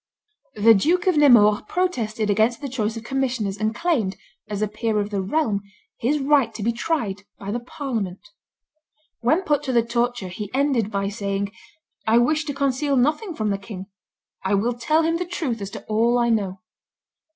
The Duke of Nemours protested against the choice of commissioners, and claimed, as a peer of the realm, his right to be tried by the parliament. When put to the torture he ended by saying, "I wish to conceal nothing from the king; I will tell him the truth as to all I know."